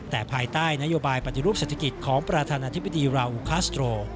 แต่ภายใต้นโยบายปฏิรูปเศรษฐกิจของประธานาธิบดีราอูคาสโตร